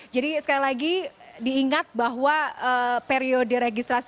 jadi sekali lagi diingat bahwa periode registrasi